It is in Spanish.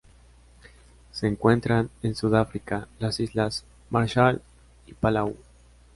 Se encuentran en Sudáfrica, las Islas Marshall y Palau.